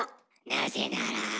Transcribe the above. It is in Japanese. なぜなら？